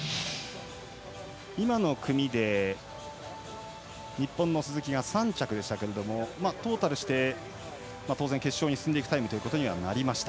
今の組で日本の鈴木が３着でしたけれどもトータルして当然、決勝に進んでいくタイムとはなりました。